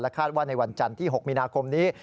คาดว่าในวันจันทร์ที่๖มีนาคมนี้